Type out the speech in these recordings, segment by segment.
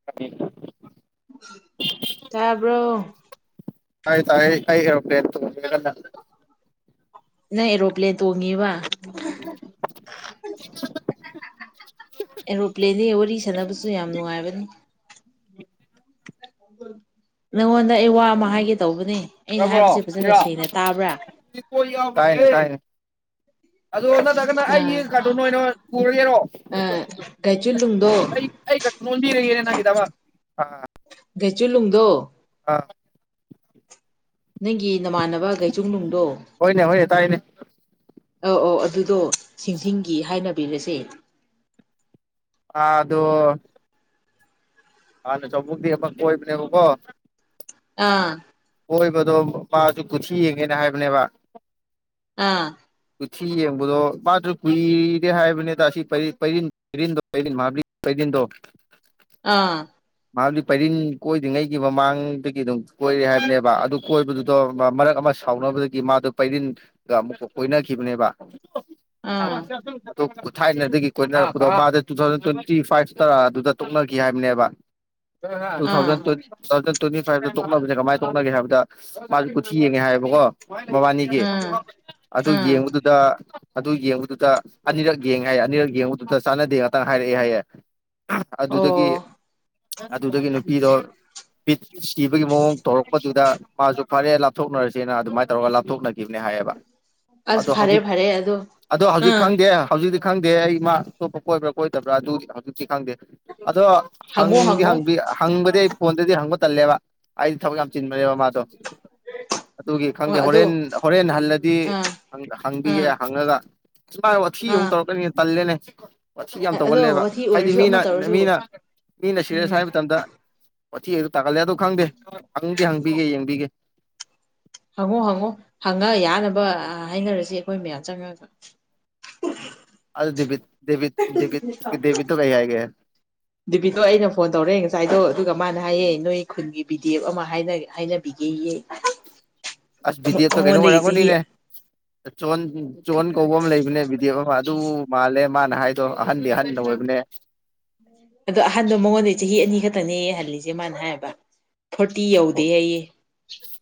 [unintelligible] ꯇꯥꯕ꯭ꯔꯣ ꯇꯥꯏ ꯇꯥꯏꯌꯦ ꯑꯩ ꯑꯦꯔꯣꯄ꯭ꯂꯦꯟ ꯇꯣꯡꯉꯤ ꯀꯟꯅ ꯅꯪ ꯑꯦꯔꯣꯄ꯭ꯂꯦꯟ ꯇꯣꯡꯉꯤꯕ [unintelligible] ꯑꯦꯔꯣꯄ꯭ꯂꯦꯟꯗꯩ ꯋꯥꯔꯤ ꯁꯥꯟꯅꯕꯁ ꯁꯨ ꯌꯥꯝ ꯅꯨꯡꯉꯥꯏꯕꯅꯤ ꯅꯪꯉꯣꯟꯗ ꯑꯩ ꯋꯥ ꯑꯃ ꯍꯥꯏꯒꯦ ꯇꯧꯕꯅꯦ ꯑꯩꯅ ꯍꯥꯏꯕꯁꯦ ꯐꯖꯅ ꯁꯦꯡꯅ ꯇꯥꯕ꯭ꯔꯥ [unintelligible] ꯇꯥꯏ ꯇꯥꯏꯌꯦ ꯑꯗꯣ ꯅꯠꯇ꯭ꯔꯒꯅ ꯑꯩꯒꯤ ꯑ ꯀꯥꯔꯇꯨꯟ ꯑꯣꯏꯅ ꯄꯨꯔꯒꯦꯔꯣ [unintelligible] ꯒꯥꯏꯆꯨꯂꯨꯡꯗꯣ ꯑꯩ ꯑꯩꯈꯛ ꯂꯣꯟꯕꯤꯔꯒꯦꯅꯦ ꯅꯪꯒꯤꯗꯃꯛ ꯑꯥ ꯒꯩꯆꯨꯂꯨꯡꯗꯣ ꯑꯥ ꯅꯪꯒꯤ ꯅꯃꯥꯟꯅꯕ ꯒꯩꯆꯨꯡꯅꯨꯡꯗꯣ ꯍꯣꯏꯅꯦ ꯍꯣꯏꯅꯦ ꯇꯥꯏꯌꯦꯅꯦ ꯑꯧ ꯑꯧ ꯑꯗꯨꯗꯣ ꯁꯤꯡꯁꯤꯡꯒꯤ ꯍꯥꯏꯅꯕꯤꯔꯁꯦ ꯑ ꯗꯣ ꯍꯥꯟꯅ ꯆꯧꯕꯨꯡꯗꯩꯩ ꯑꯃ ꯀꯣꯏꯕꯅꯦꯕꯀꯣ ꯑꯥ ꯀꯣꯏꯕꯗꯣ ꯃꯥꯁꯨ ꯀꯨꯊꯤ ꯌꯦꯡꯉꯦꯅ ꯍꯥꯏꯕꯅꯦꯕ ꯑꯥ ꯀꯨꯊꯤ ꯌꯦꯡꯕꯗꯣ ꯃꯥꯁꯨ ꯀꯨꯏꯔꯦ ꯍꯥꯏꯕꯅꯤꯗ ꯑꯁꯤ ꯄꯩ ꯄꯩꯔꯤꯟ ꯔꯤꯟꯗꯣ ꯄꯩꯔꯤꯟ ꯃꯍꯥꯕꯂꯤ ꯄꯩꯔꯤꯟꯗꯣ ꯑꯥ ꯃꯍꯥꯕꯂꯤ ꯄꯩꯔꯤꯟ ꯀꯣꯏꯗ꯭ꯔꯤꯉꯩꯒꯤ ꯃꯃꯥꯡꯗꯒꯤ ꯑꯗꯨꯝ ꯀꯣꯏꯔꯦ ꯍꯥꯏꯕꯅꯦꯕ ꯑꯗꯨ ꯀꯣꯏꯕꯗꯨꯗꯣ ꯃꯔꯛ ꯑꯃ ꯁꯥꯎꯅꯕꯗꯒꯤ ꯃꯥꯗꯣ ꯄꯩꯔꯤꯟꯒ ꯑꯃꯨꯛ ꯀꯣꯏꯅꯈꯤꯕꯅꯦꯕ ꯑꯥ ꯊꯥꯏꯅꯗꯒꯤ ꯀꯣꯏꯅꯔꯛꯄꯗꯣ ꯃꯥꯗꯤ ꯇꯨ ꯊꯥꯎꯖꯟ ꯇ꯭ꯋꯦꯟꯇꯤ ꯐꯥꯏꯚ ꯇ ꯑꯗꯨꯗ ꯇꯣꯛꯅꯈꯤ ꯍꯥꯏꯕꯅꯦꯕ ꯇꯨ ꯊꯥꯎꯖꯟ ꯑꯥ ꯇ꯭ꯋꯦꯟ ꯇꯨ ꯊꯥꯎꯖꯟ ꯇ꯭ꯋꯦꯟꯇꯤ ꯐꯥꯏꯚꯇ ꯇꯣꯛꯅꯕꯁꯦ ꯀꯃꯥꯏ ꯇꯣꯛꯅꯒꯦ ꯍꯥꯏꯕꯗ ꯃꯥꯁꯦ ꯀꯨꯊꯤ ꯌꯦꯡꯉꯦ ꯍꯥꯏꯌꯦꯕꯀꯣ ꯃꯕꯥꯅꯤꯒꯤ ꯑꯥ ꯑꯗꯨ ꯑꯥ ꯌꯦꯡꯕꯗꯨꯗ ꯑꯗꯨ ꯌꯦꯡꯕꯗꯨꯗ ꯑꯅꯤꯔꯛ ꯌꯦꯡꯉꯦ ꯍꯥꯏꯌꯦ ꯑꯅꯤꯔꯛ ꯌꯦꯡꯕꯗꯨꯗ ꯆꯥꯟꯅꯗꯦ ꯉꯥꯛꯇꯥ ꯍꯥꯏꯔꯛꯑꯦ ꯍꯥꯏꯌꯦ ꯑꯗꯨꯗꯒꯤ ꯑꯣ ꯑꯗꯨꯗꯒꯤ ꯅꯨꯄꯤꯗꯣ ꯄꯤꯠ ꯁꯤꯕꯒꯤ ꯃꯑꯣꯡ ꯇꯧꯔꯛꯄꯗꯨꯗ ꯃꯥꯁꯨ ꯐꯔꯦ ꯂꯥꯞꯊꯣꯛꯅꯔꯁꯦꯅ ꯑꯗꯨꯃꯥꯏꯅ ꯇꯧꯔꯒ ꯂꯥꯞꯊꯣꯛꯅ___ ꯈꯤꯕꯅꯦ ꯍꯥꯏꯌꯦꯕ ꯑꯁ ꯑꯗꯣ ꯐꯔꯦ ꯍꯧꯖꯤꯛ ꯐꯔꯦ ꯑꯗꯣ ꯑꯗꯣ ꯍꯧꯖꯤꯛ ꯑꯥ ꯈꯪꯗꯦ꯫ ꯍꯧꯖꯤꯛꯇꯤ ꯈꯪꯗꯦ ꯑꯩ ꯃꯥ ꯑꯇꯣꯞꯄ ꯀꯣꯏꯕ꯭ꯔꯥ ꯀꯣꯏꯗꯕ꯭ꯔꯥ ꯑꯗꯨꯗꯤ ꯍꯧꯖꯤꯛꯇꯤ ꯈꯪꯗꯦ ꯑꯗꯣ꯫ ꯍꯪꯉꯣ ꯍꯪꯗꯤ ꯍꯪꯉꯣ ꯍꯪꯗꯤ ꯍꯪꯕꯗꯤ ꯑꯩ ꯐꯣꯟꯗꯗꯤ ꯍꯪꯕ ꯇꯜꯂꯦꯕ ꯑꯩꯗꯤ ꯊꯕꯛ ꯌꯥꯝ ꯆꯤꯟꯕꯅꯦꯕ ꯃꯥꯗꯣ꯫ ꯎꯝ [inaudible] ꯑꯗꯨꯒꯤ ꯈꯪꯗꯦ ꯍꯣꯔꯦꯟ ꯍꯣꯔꯦꯟ ꯍꯜꯂꯗꯤ ꯑꯥ ꯍꯪꯕꯤꯒꯦ ꯑꯥ ꯍꯪꯉꯒ___ ꯃꯥ ꯋꯥꯊꯤ ꯑꯃꯨꯛ ꯑꯥ ꯇꯧꯔꯛꯀꯅꯤ ꯇꯜꯂꯦꯅꯦ꯫ ꯋꯥꯊꯤ ꯌꯥꯝ ꯑꯗꯣ ꯇꯧꯒꯜꯂꯦꯕ ꯋꯥꯊꯤ ꯍꯥꯏꯗꯤ ꯑꯣꯏꯔꯁꯨ ꯃꯤꯅ ꯑꯃ ꯃꯤꯅ___ ꯇꯧꯔꯁꯨ ꯃꯤꯅ ꯁꯤꯔꯦꯁ ꯎꯝ ꯍꯥꯏꯕ ꯃꯇꯝꯗ ꯋꯥꯊꯤ ꯑꯗꯨꯝ ꯇꯥꯒꯜꯂꯦ ꯑꯗꯨ ꯈꯪꯗꯦ ꯍꯪꯗꯤ ꯍꯪꯕꯤꯒꯦ ꯌꯦꯡꯕꯤꯒꯦ꯫ ꯍꯪꯉꯣ ꯍꯪꯉꯣ ꯍꯪꯉ ꯌꯥꯅꯕ ꯍꯥꯏꯅꯔꯁꯤ ꯑꯩꯈꯣꯏ ꯃꯌꯥꯝ ꯆꯪꯉꯒ꯫ ꯑ ꯗꯦꯕꯤꯠ ꯗꯦꯕꯤꯠ ꯗꯦꯕꯤꯠ ꯗꯦꯕꯤꯠꯇꯣ ꯀꯩ ꯍꯥꯏꯒꯦ꯫ ꯗꯤꯕꯤꯠꯗꯣ ꯑꯩꯅ ꯐꯣꯟ ꯇꯧꯔꯦ ꯉꯁꯥꯏꯗꯣ ꯑꯗꯨꯒ ꯃꯥꯅ ꯍꯥꯏꯌꯦ ꯅꯣꯏ ꯈꯨꯟꯒꯤ ꯕꯤ ꯗꯤ ꯑꯦꯐ ꯑꯃ ꯍꯥꯏꯅꯕꯤꯒꯦꯌꯦ꯫ ꯑ [inaudible] ꯑꯁ ꯕꯤꯗꯤ ꯑꯦꯐꯇꯣ ꯀꯩꯅꯣ ꯑꯣꯏꯔꯝꯒꯅꯤꯅꯦ꯫ ꯆꯣꯟ ꯆꯣꯟ ꯀꯧꯕ ꯑꯃ ꯂꯩꯕꯅꯦ ꯕꯤꯗꯤꯐꯦꯞ ꯑꯃ ꯑꯗꯨ ꯃꯥꯜꯂꯦ ꯃꯥꯅ ꯍꯥꯏ___ ꯗꯣ ꯑꯍꯟꯗꯤ ꯑꯍꯟ ꯑꯣꯏꯕꯅꯦ꯫ ꯑꯗꯣ ꯑꯍꯟꯗꯣ ꯃꯉꯣꯟꯗꯩ ꯆꯍꯤ ꯑꯅꯤ ꯈꯛꯇꯅꯦꯌꯦ ꯍꯜꯂꯤꯁꯦ ꯃꯥꯅ ꯍꯥꯏꯕ ꯐꯣꯔꯇꯤ ꯑꯣ ꯌꯧꯗꯦ ꯑꯩꯌꯦ꯫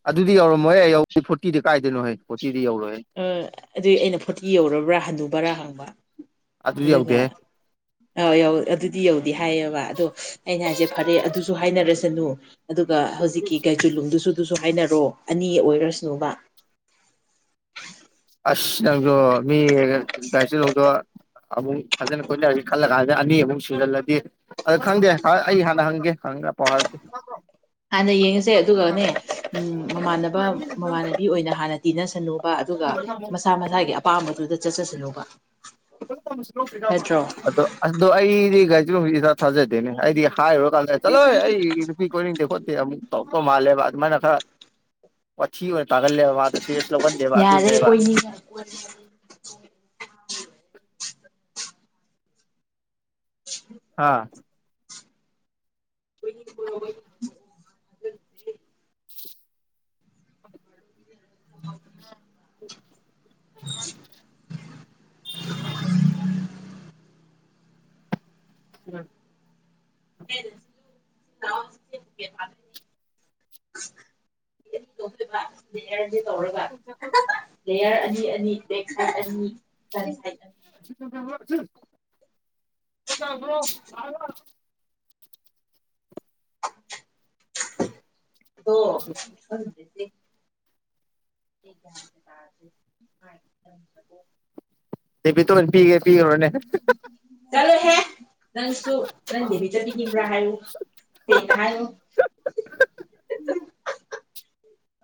ꯑꯗꯨꯗꯤ ꯌꯧꯔꯝꯃꯣꯍꯦ ꯌꯧꯗ ꯐꯣꯔꯇꯤꯗꯤ ꯀꯥꯏꯗꯥꯏꯅꯣꯌꯦ ꯐꯣꯔꯇꯤꯗꯤ ꯌꯧꯔꯣꯏꯍꯦ꯫ [unintelligible] ꯑꯗꯨꯏ ꯑꯩꯅ ꯐꯣꯔꯇꯤ ꯌꯧꯔꯕ꯭ꯔꯥ ꯍꯟꯅꯨꯕꯔꯥ ꯍꯪꯕ ꯑꯗꯨꯗꯤ ꯌꯧꯗꯦꯍꯦ ꯑꯗꯨꯒ___ [unintelligible] ꯑꯧ ꯌꯧ ꯑꯗꯨꯗꯤ ꯌꯧꯗꯦ ꯍꯥꯏꯌꯦꯕ ꯑꯗꯣ ꯑꯩꯅ ꯍꯥꯏꯁꯦ ꯐꯔꯦ ꯑꯗꯨꯁꯨ ꯍꯥꯏꯅꯔꯁꯅꯨ꯫ ꯑꯗꯨꯒ ꯍꯧꯖꯤꯛꯀꯤ ꯒꯥꯏꯖꯨꯂꯨꯡꯗꯨꯁꯨ ꯑꯗꯨꯁꯨ ꯍꯥꯏꯅꯔꯣ ꯑꯅꯤ ꯑꯣꯏꯔꯁꯅꯨꯕ꯫ ꯑꯁ ꯅꯪꯖꯣ ꯃꯤ ꯌꯥꯥꯏꯁꯨ ꯂꯖꯣ ꯑꯃꯨꯛ ꯐꯖꯅ ꯀꯣꯏꯂꯁꯤ ꯈꯜꯂꯀꯥꯟꯁꯤꯗ ꯑꯅꯤꯃꯨꯛ ꯁꯤꯨꯖꯤꯜꯂꯗꯤ ꯑ ꯈꯪꯗꯦ ꯑꯩ ꯍꯥꯟꯅ ꯍꯪꯒꯦ ꯍꯪꯒꯦ ꯄꯥꯎ ꯍꯥꯏꯔꯁꯤꯦ ꯍꯥꯟꯅ ꯌꯦꯡꯉꯁꯦ ꯑꯗꯨꯒꯅꯦ ꯃꯃꯥꯟꯅꯕ ꯃꯃꯥꯟꯅꯕꯤ ꯑꯣꯏꯅ ꯍꯥꯟꯅ ꯇꯤꯟꯅꯁꯅꯨꯕ ꯑꯗꯨꯒ ꯃꯁꯥ ꯃꯁꯥꯒꯤ ꯑꯄꯥꯝꯕꯗꯨꯗ ꯆꯠꯆꯁꯅꯨꯕ ꯁꯤ ꯅꯠꯇ꯭ꯔꯣ ꯑꯗꯨ ꯑꯗꯣ ꯑꯩꯗꯤ ꯒꯥꯔꯤꯁꯤꯦ ꯍꯧꯖꯤꯛ ꯏꯁꯥ ꯊꯥꯖꯗꯦꯅꯦ ꯑꯩꯗꯤ ꯍꯥꯏꯔꯨꯔꯀꯥꯟꯗ ꯆꯠꯂꯣꯏ ꯑꯩ ꯅꯨꯄꯤ ꯣꯏꯅꯤꯡꯗꯦ ꯈꯣꯠꯇꯦ ꯑꯃꯨꯛ ꯇꯧꯄ ꯃꯥꯜꯂꯦꯕ ꯑꯗꯨꯃꯥꯏꯅ ꯈꯔ ꯋꯥꯊꯤ ꯑꯣꯏꯅ ꯇꯥꯒꯜꯂꯦꯕ ꯃꯥ ꯐꯦꯁ ꯌꯥꯗꯣꯏ ꯍꯥꯥ ꯑꯩꯣꯏ ꯑ [unintelligible] ꯎꯝ [unintelligible] [unintelligible] ꯇꯧꯔꯒ ꯂꯦꯌꯔ ꯑꯅꯤ ꯑꯅꯤ ꯕꯦꯛ ꯁꯥꯏꯠ ꯑꯅꯤ ꯐ꯭ꯔꯟ ꯁꯥꯏꯠ ꯑꯅꯤ ꯭ꯔꯣ ꯑꯗꯨ ꯍ ꯦ ꯇꯦ ꯦ ꯄꯤ ꯇꯣꯏꯅ ꯄꯤꯒꯦ ꯄꯤꯈ꯭ꯔꯣꯅꯦ ꯆꯠꯂꯣꯍꯦ ꯅꯪꯁꯨ ꯅꯪ ꯗꯦꯕꯤ ꯆꯠꯄꯤꯕ꯭ꯔꯥ ꯍꯥꯏꯌꯨ ꯍꯦꯡꯅ ꯍꯥꯏꯉꯨ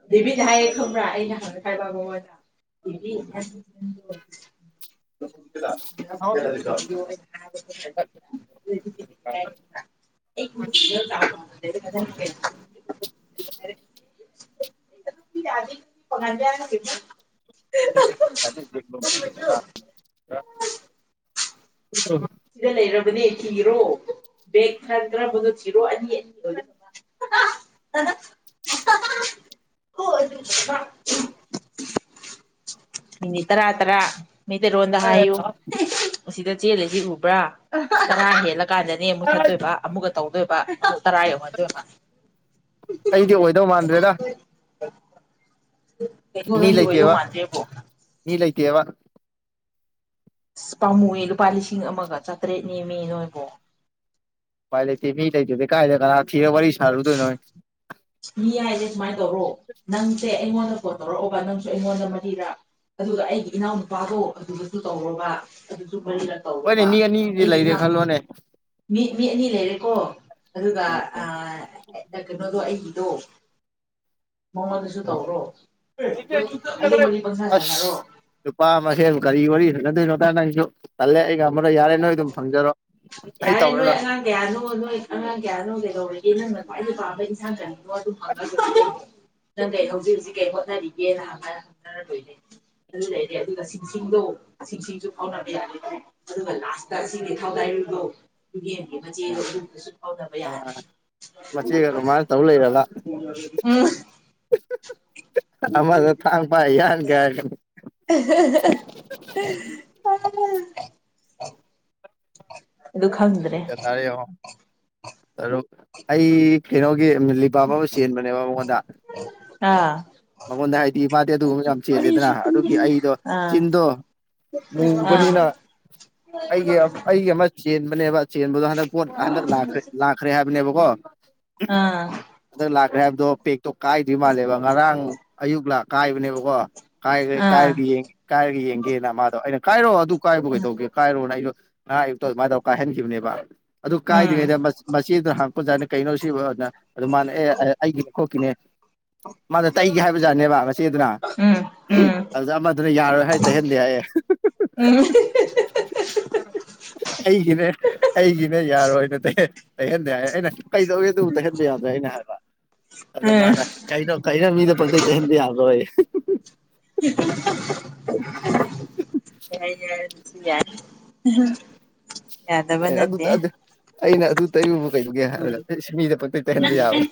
ꯑꯗꯨꯦꯕꯤꯗ ꯍꯥꯏꯌꯦ ꯈꯪꯕ꯭ꯔꯥ ꯑꯩꯅ ꯍꯥꯏ ꯈꯥꯏꯕꯕꯗ [unintelligible] ꯑꯗꯨ [unintelligible] ꯄꯉ ꯊꯂ ꯊ ꯁꯤꯗ ꯂꯩꯔꯕꯅꯦ ꯊꯤꯔꯣ ꯕꯦꯦꯛ ꯈꯟꯈ꯭ꯔꯕꯅꯣ ꯊꯤꯔꯣ ꯑꯅꯤ ꯑꯅꯤ ꯑ ꯆꯗꯣ ꯑꯅꯤ ꯇꯔꯥ ꯇꯔꯥ ꯃꯩꯇꯩꯔꯣꯟꯗ ꯍꯥꯏꯌꯨ ꯁꯤꯗ ꯆꯦꯜꯂꯤꯁꯤ ꯎꯕ꯭ꯔꯥ ꯀꯅꯥ ꯍꯦꯜꯂ ꯀꯥꯟꯗꯅꯦ ꯑꯃꯨꯛ ꯊꯠꯇꯣꯏꯕ ꯑꯃꯨꯛꯀ ꯇꯧꯗꯣꯏꯕ ꯇꯔꯣ ꯃ ꯃꯥ ꯑꯩꯗꯤ ꯑꯣꯏꯗꯧ ꯃꯥꯟꯗ꯭ꯔꯦꯗ ꯅꯅꯤꯂꯥꯏꯇ ꯋꯥ ꯅꯅꯤꯂꯥꯏꯇꯕ ꯑ ꯄꯥꯝꯃꯨꯑ ꯂꯨꯄꯥ ꯂꯤꯁꯤꯡ ꯑꯃꯒ ꯆꯥꯇ꯭ꯔꯦꯠꯅꯦꯦꯝꯃꯤ ꯅꯣꯏꯕꯣ ꯄꯥꯏꯂꯦ ꯃꯤ ꯂꯩꯥꯏꯗꯦ ꯀꯥꯏꯦ ꯀꯔ ꯊꯤꯔ ꯋꯥꯔꯤ ꯁꯥꯔꯗ ꯅꯣꯣꯏ ꯃꯤ ꯍꯥꯏꯁꯦ ꯁꯨꯃꯥꯏꯅ ꯇꯧꯔꯣ ꯅꯪꯁꯦ ꯑꯩꯉꯣꯟꯗ ꯐꯣꯟ ꯇꯧꯔꯛꯑꯣꯕ ꯅꯪꯁꯨ ꯑꯩꯉꯣꯟꯗ ꯃꯔꯤꯔꯥ ꯑꯗꯨꯒ ꯑꯩꯒꯤ ꯏꯅꯥꯎꯅꯨꯄꯥꯗꯣ ꯑꯗꯨꯗꯁꯨ ꯇꯧꯔꯕ ꯑꯗꯨꯁꯨ ꯍꯣꯏꯅꯦ ꯇꯧꯔꯣꯕ ꯃꯤ ꯑꯅꯤꯗꯤ ꯑꯩꯒꯤ ꯂꯩꯔꯦ ꯏꯅꯥꯎ ꯈꯜꯂꯣꯅꯦ ꯃꯤ ꯃꯤ ꯑꯅꯤ ꯂꯩꯔꯦꯀꯣ ꯑꯗꯨꯒ ꯀꯩꯅꯣꯗꯣ ꯑꯩꯒꯤꯗꯣ ꯃꯉꯣꯟꯗꯁꯨ ꯇꯧꯔꯣ ꯑꯗꯨ ꯃꯅꯤ ꯄꯪꯁꯥ ꯁꯥꯟꯅꯔꯣ ꯅꯨꯨꯄꯥ ꯃꯁꯦꯜ ꯀꯔꯤ ꯋꯥꯔꯤ ꯍꯪꯅꯗꯣꯏꯅꯣꯗꯔ ꯅ ꯑꯩꯁꯨ ꯈꯜꯂꯦ ꯑꯩꯒ ꯑꯃꯗ ꯌꯥꯔꯦ ꯅꯣꯏ ꯑꯗꯨꯝ ꯐꯪꯖꯔꯣ ꯑꯩ ꯌꯥꯔꯦ ꯅꯣꯏ ꯇꯧꯔꯔꯣꯏ ꯑꯉꯥꯡ ꯀꯌꯥꯅꯣ ꯅꯣꯏ ꯑꯉꯥꯡ ꯀꯌꯥꯅꯣ ꯀꯩꯗꯧꯕꯦ ꯅꯪꯅ ꯈ꯭ꯋꯥꯏꯗꯒꯤ ꯄꯥꯝꯕ ꯊ ꯊ ꯑꯗꯨ ꯐ ꯅꯪ ꯀꯩ ꯍꯧꯖꯤꯛ ꯍꯧꯖꯤꯛ ꯀꯩ ꯍꯣꯠꯅꯔꯤꯒꯦꯅꯥꯟꯃ ꯍꯪꯅꯔꯗꯣꯏꯅꯦ ꯑꯗꯨ ꯂꯩꯔꯦ ꯑꯗꯨꯒ ꯁꯤꯡꯗꯣ ꯁꯤꯡꯁꯤꯡꯁꯨ ꯐꯥꯎꯅꯕ ꯌꯥꯅꯤꯦ ꯑꯗꯨꯒ ꯂꯥꯁꯇ ꯑꯁꯤꯅꯦ ꯊꯥꯎ ꯇꯥꯏꯔꯨꯗꯣ ꯌꯦꯡꯒꯤꯕ ꯆꯦꯗꯣ ꯑꯗꯨꯁꯨ ꯐꯥꯎꯗꯕ ꯌꯥꯔꯦ ꯃꯆꯦꯒ ꯔꯣꯃꯥꯟꯁ ꯇꯧ ꯂꯩꯔꯕ ꯎ ꯑꯃꯗ ꯊꯥꯟ ꯄꯥꯏ ꯌꯥꯅ ꯀ ꯍꯥꯏꯅꯤ [unintelligible] ꯑꯗꯨ ꯈꯪ ꯀ ꯇꯔꯦꯣ ꯑꯩ ꯀꯩꯅꯣꯒꯤ ꯂꯤꯄꯥ ꯐꯥꯎꯕ ꯆꯦꯟꯕꯅꯦꯕ ꯃꯉꯣꯟꯗ ꯑꯥ ꯃꯉꯣꯟꯗ ꯍꯥꯏꯗꯤ ꯃꯥꯗꯤ ꯑꯗꯨꯒꯨꯝꯕ ꯌꯥꯝ ꯆꯦꯜꯂꯦꯗꯅ ꯋꯥꯔꯤꯁꯤ ꯑꯗꯨꯒꯤ ꯇꯨꯝꯅꯤꯡꯉꯦ ꯑꯩꯗꯣ ꯑꯥ ꯆꯤꯟꯗꯣ ꯃꯨꯕꯅꯤꯅ ꯑꯩꯒꯤ ꯑꯥ ꯑꯩꯒꯤ ꯑꯃ ꯆꯦꯟꯕꯅꯦꯕ ꯆꯦꯟꯕꯗꯣ ꯍꯟꯗꯛ ꯄꯣꯠ ꯎꯝ ꯍꯟꯗꯛ꯭ꯔ ꯂꯥꯛꯈ꯭ꯔꯦ ꯍꯥꯏꯕꯅꯦꯕꯀꯣ ꯑꯥ ꯑꯗ ꯂꯥꯛꯈ꯭ꯔꯦ ꯍꯥꯏꯕꯗꯣ ꯄꯦꯛꯇꯣ ꯀꯥꯏꯗ꯭ꯣꯏ ꯃꯥꯜꯂꯦꯕ ꯉꯔꯥꯡ ꯑꯌꯨꯛ ꯂ ꯀꯥꯏꯕꯅꯦꯕꯀꯣ ꯀꯥꯏ ꯀꯥꯏꯔꯒ ꯀꯥꯏꯔꯒ ꯌꯦꯡꯒꯦꯅ ꯃꯥꯗꯣ ꯑꯩꯅ ꯀꯥꯏꯔꯣ ꯑꯗꯨ ꯀꯥꯏꯕ ꯀꯩꯗꯧꯒꯦ ꯀꯥꯏꯔꯣꯅ ꯑꯩꯗꯣ ꯉꯍꯥ ꯑꯌꯨꯛꯇ ꯑꯗꯨꯃꯥꯏꯅ ꯇꯧ ꯀꯥꯏꯍꯟꯈꯤꯕꯅꯦꯕ ꯑꯗꯨ ꯀꯥꯏꯗ꯭ꯔꯤꯉꯩꯗ ꯃꯆꯦꯗꯨꯅ ꯍꯥꯡꯄꯖꯥꯠꯅ ꯀꯩꯅꯣ ꯁꯤꯅ ꯑꯗꯨ ꯃꯥꯅ ꯑꯦ ꯑꯩꯒꯤꯅꯦ ꯈꯣꯠꯀꯤꯅꯦ ꯃꯥꯅ ꯇꯩꯒꯦ ꯍꯥꯏꯕ ꯖꯥꯠꯅꯦꯕ ꯃꯆꯦꯗꯨꯅ ꯎꯝ ꯎꯝ ꯑꯗꯨꯗ ꯑꯃꯗꯨꯅ ꯌꯥꯔꯣꯏ ꯍꯥꯏ ꯇꯩꯍꯟꯗꯦ ꯍꯥꯏꯌꯦꯦ ꯎꯝ ꯍꯩꯒꯗꯦ ꯑꯩꯒꯤꯅ ꯌꯥꯔꯣꯏꯅ ꯇꯩꯍꯟꯗꯦ ꯍꯥꯏ ꯑꯩꯅ ꯀꯩꯗꯧꯏꯦ ꯑꯗꯨꯕꯨ ꯇꯩꯍꯟꯕ ꯌꯥꯗ꯭ꯔꯦ ꯑꯩꯅ ꯍꯥꯏꯕ ꯑꯗꯨꯗ ꯎꯝ ꯃꯥꯅ ꯀꯩꯅꯣ ꯀꯩꯅꯣ ꯃꯤꯗ ꯄꯜꯇꯩꯦ ꯌꯥꯎꯕ [unintelligible] ꯌꯥꯁꯤ ꯌꯥ ꯑꯩꯅ ꯑꯩꯅ ꯑꯗꯨ ꯇꯩ ꯌꯥꯕ꯭ꯔꯣ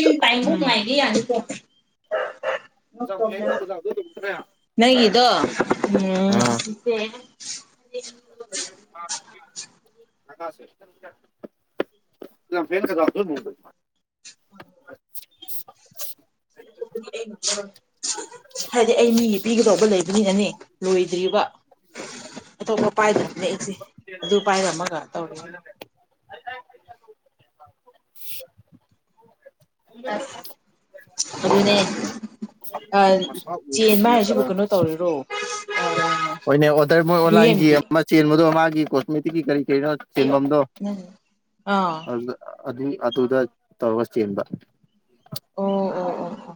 ꯟ ꯇꯥꯏ ꯅꯨꯡꯉꯥꯏꯒ ꯌꯥꯅꯤꯣ ꯅꯪꯒꯤꯗꯣ ꯎꯝ ꯑꯥ [inaudible] [inaudible] ꯐꯦ ꯀꯗ ꯃ [inaudible] ꯑꯇꯣꯞꯄꯗꯤ ꯍꯥꯏꯗꯤ ꯑꯩ ꯃꯤ ꯄꯤꯒꯗꯧꯕ ꯂꯩꯕꯅꯤꯅꯅꯦ ꯂꯣꯏꯗ꯭ꯔꯤꯕ ꯑꯇꯣꯞꯄ ꯄꯥꯏꯗ꯭ꯔꯅꯤꯅꯦ ꯏꯁꯦ ꯑꯗꯨ ꯄꯥꯏꯔꯝꯃꯒ ꯇꯧꯔꯤꯅꯤ ꯑꯗꯨꯅꯦ ꯑꯥ ꯆꯦꯟꯕ ꯍꯥꯏꯔꯤꯁꯤꯕꯨ ꯀꯩꯅꯣ ꯇꯧꯔꯤꯔꯣ ꯍꯣꯏꯅꯦ ꯑꯣꯗꯔ ꯃꯣꯏ ꯑꯣꯟꯂꯥꯏꯟꯒꯤ ꯂꯨꯌꯦꯝꯒꯤ ꯑꯃ ꯆꯦꯟꯕꯗꯣ ꯃꯥꯒꯤ ꯀꯣꯁꯃꯦꯇꯤꯛꯀꯤ ꯀꯔꯤ ꯀꯔꯤꯅꯣ ꯑꯩꯔꯣ ꯆꯦꯟꯕꯝꯗꯣ ꯅꯪ ꯑꯥ ꯑꯗꯨꯗ ꯑꯗꯨ ꯑꯗꯨꯗ ꯇꯧꯔꯒ ꯆꯦꯟꯕ ꯑꯣ ꯑꯣ ꯑꯣ ꯑꯣ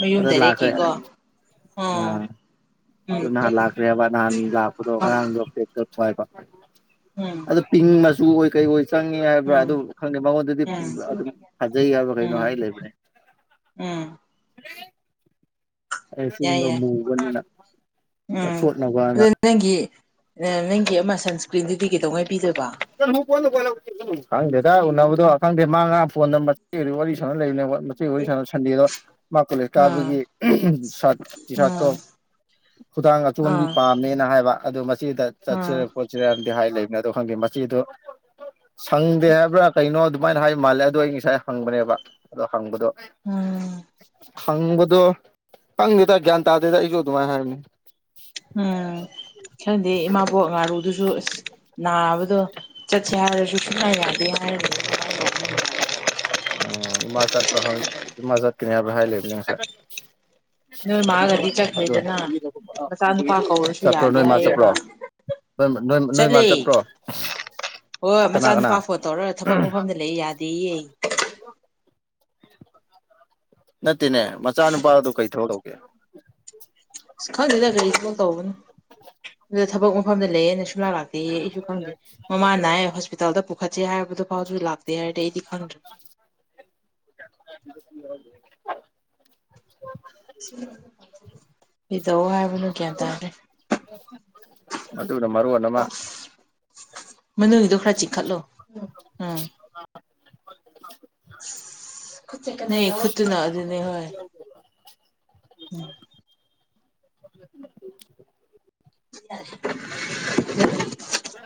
ꯃꯌꯨꯝ ꯗꯥꯏꯔꯦꯛꯀꯤꯀꯣ ꯑ ꯑꯣ ꯎꯝ ꯎꯝ ꯑꯗꯨ ꯅꯍꯥꯟ ꯂꯥꯛꯀ꯭ꯔꯦꯕ ꯅꯍꯥꯟ ꯂꯥꯛꯄꯗꯣ ꯑꯉꯥꯡꯗꯣ ꯎꯝ [inaudible] ꯑꯗꯣ ꯄꯤꯡ ꯃꯆꯨ ꯑꯣꯏ ꯀꯩ ꯑꯣꯏ ꯆꯪꯉꯦ ꯍꯥꯏꯕ꯭ꯔꯥ ꯑꯗꯨ ꯈꯪꯗꯦ ꯃꯉꯣꯟꯗꯗꯤ ꯎꯝ ꯑꯗꯨꯝ ꯐꯖꯩ ꯍꯥꯏꯕ꯭ꯔꯥ ꯀꯩꯅꯣ ꯍꯥꯏ ꯎꯝ ꯂꯩꯕꯅꯦ ꯎꯝ [inaudible] ꯑꯩ ꯌꯥꯏ ꯆꯤꯟꯗꯣ ꯌꯥꯏ ꯃꯨꯕꯅꯤꯅ ꯎꯝ ꯆꯠꯊꯣꯠꯅꯕꯅ ꯑꯗꯨ ꯅꯪꯒꯤ ꯅꯪꯒꯤ ꯑꯃ ꯁꯟꯁꯀ꯭ꯔꯤꯟꯗꯨꯗꯤ ꯀꯩꯗꯧꯉꯥꯏ ꯄꯤꯗꯣꯢꯕ ꯈꯪꯗꯦꯗ ꯎꯅꯕꯗꯣ ꯈꯪꯗꯦ ꯃꯥ ꯉꯥꯔꯥꯡ ꯐꯣꯟ ꯅꯥꯝꯕꯔꯥ ꯄꯤꯈꯤꯕꯗꯩ ꯋꯥꯔꯤ ꯁꯥ ꯂꯩꯈꯔꯦ ꯑꯁꯦꯡꯕꯩ ꯋꯥꯔꯤ ꯁꯥꯟꯅꯕ ꯁꯟꯗꯦꯗꯣ ꯃꯥ ꯀꯣꯂꯦꯖ ꯎꯝ ꯀꯥꯕꯒꯤ ꯁꯥꯔꯠ ꯇꯤ ꯁꯥꯔꯠꯇꯣ ꯎꯝ ꯈꯨꯗꯥꯥꯡ ꯑꯆꯣꯟꯕꯤ ꯄꯥꯝꯃꯦꯅ ꯍꯥꯏꯕ ꯑꯗꯨ ꯃꯆꯦꯗ ꯎꯝ ꯎꯝ ꯆꯠꯁꯤꯔ ꯈꯣꯠꯁꯤꯔꯗꯤ ꯍꯥꯏ ꯂꯩꯕ ꯑꯗꯨ ꯈꯪꯗꯦ ꯃꯆꯦꯗꯨ ꯁꯪꯗꯦ ꯍꯥꯏꯕ꯭ꯔꯥ ꯀꯩꯅꯣ ꯑꯗꯨꯃꯥꯏꯅ ꯍꯥꯏ ꯃꯥꯜꯂꯦ ꯑꯗꯣ ꯑꯩ ꯉꯁꯥꯏ ꯍꯪꯕꯅꯦꯕ ꯑꯗꯣ ꯍꯪꯕꯗꯣ ꯎꯝ ꯍꯪꯕꯗꯣ ꯈꯪꯗꯦꯗ ꯒ꯭ꯌꯥꯟ ꯇꯥꯗꯦꯗ ꯑꯩꯁꯨ ꯑꯗꯨꯃꯥꯏꯅ ꯍꯥꯏꯕꯅꯤ ꯎꯝ ꯈꯪꯗꯦ ꯏꯃꯥꯕꯣꯛ ꯉꯥꯔꯨꯗꯨꯁꯨ ꯑꯁ ꯅꯥꯕꯗꯣ ꯆꯠꯁꯦ ꯍꯥꯏꯔꯁꯨ ꯁꯨꯡꯉꯥ ꯌꯥꯗꯦ ꯍꯥꯏꯔꯤ [inaudible] ꯎꯝ ꯃꯥ ꯆꯥꯠꯄ꯭ꯔ ꯈꯪꯗꯦ ꯃꯥ ꯆꯠꯒꯅꯤ ꯍꯥꯢꯕꯔꯥ ꯍꯥꯢ ꯂꯩꯕꯅꯤ ꯉꯁꯥꯢ ꯅꯣꯏ ꯃꯥꯒꯗꯤ ꯆꯠꯈ꯭ꯔꯦꯗꯅ ꯃꯆꯥꯅꯨꯄꯥ ꯀꯧꯔꯁꯨ ꯆꯠꯄ꯭ꯔꯣ ꯌꯥꯗꯦ ꯅꯣꯏ ꯃꯥ ꯆꯠꯄ꯭ꯔꯣ ꯍꯥꯏꯌꯦꯕ ꯅꯣꯢ ꯅꯣꯏꯃ ꯆꯠꯂꯦ ꯆꯠꯄ꯭ꯔꯣ ꯍꯣꯏ ꯀꯅꯥ ꯀꯅꯥ ꯃꯆꯥꯅꯨꯄꯥ ꯐꯣꯟ ꯇꯧꯔꯒ ꯊꯕꯛ ꯃꯐꯝꯗ ꯂꯩ ꯌꯥꯗꯦꯌꯦ ꯅꯠꯇꯦꯅꯦ ꯃꯆꯥ ꯅꯨꯄꯥꯗꯣ ꯀꯩ ꯊꯕꯛ ꯇꯧꯒꯦꯅꯦ ꯑ ꯈꯪꯗꯦꯗ ꯀꯔꯤ ꯊꯕꯛ ꯇꯧꯕꯅꯣ ꯑꯗꯨꯗ ꯊꯕꯛ ꯃꯐꯝꯗ ꯂꯩꯌꯦꯅ ꯁꯨꯡꯂꯥꯛ ꯂꯥꯛꯇꯦ ꯌꯦ ꯑꯩꯁꯨ ꯈꯪꯗꯦ ꯃꯃꯥꯅ ꯍꯥꯏ ꯍꯣꯁꯄꯤꯇꯥꯜꯗ ꯄꯨꯈꯠꯁꯦ ꯍꯥꯏꯕꯗꯨ ꯐꯥꯎꯁꯨ ꯂꯥꯛꯇꯦ ꯍꯥꯏꯔꯗꯤ ꯑꯩꯗꯤ ꯈꯪꯗ꯭ꯔꯦ [unintelligible] ꯀꯤꯗꯧ ꯍꯥꯏꯕꯅꯣ ꯒ꯭ꯌꯥꯟ ꯇꯥꯗꯦ [inaudible] ꯑꯗꯨꯅ ꯃꯔꯣꯟ ꯑꯃ ꯃꯅꯨꯡꯒꯤꯗꯣ ꯈꯔ ꯆꯤꯛꯈꯠꯂꯣ ꯎꯝ ꯅ [unintelligible] ꯈꯠꯇꯅ ꯑꯗꯨꯅꯦ ꯍꯣꯢ ꯎꯝ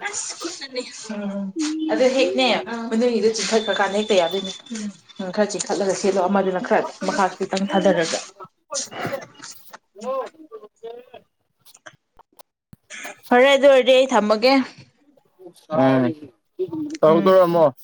ꯑꯁ ꯀꯅꯤ [unintelligible] ꯎꯝ ꯑꯗꯨ ꯍꯦꯛꯅꯦ ꯃꯅꯨꯡꯒꯤꯗꯣ ꯆꯤꯡꯈꯠꯈꯔꯒꯥꯟꯗ ꯍꯦꯛꯇ ꯌꯥꯗꯣꯏꯅꯦ ꯎꯝ ꯎꯝ ꯈꯔ ꯆꯤꯡꯈꯠꯂꯒ ꯁꯦꯠꯗꯣ ꯑꯃꯗꯨꯅ ꯈꯔ ꯃꯈꯥ ꯈꯤꯇꯪ ꯊꯥꯗꯔꯒꯦ ꯀꯁꯤ [unintelligible] ꯍ [unintelligible] ꯐꯔꯦ ꯑꯗꯨ ꯑꯣꯏꯔꯗꯤ ꯑꯩ ꯊꯝꯃꯒꯦ ꯑꯝ ꯎꯝ ꯇꯧꯗꯣꯢꯔꯣ ꯑꯃꯨꯛ